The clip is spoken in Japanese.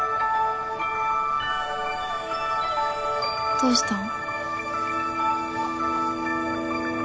どうしたん？